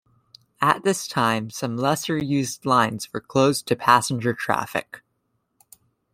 At this time some lesser-used lines were closed to passenger traffic.